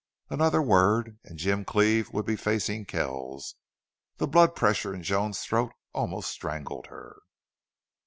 Another word and Jim Cleve would be facing Kells. The blood pressure in Joan's throat almost strangled her.